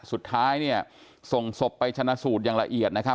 สุดท้ายเนี่ยส่งศพไปชนะสูตรอย่างละเอียดนะครับ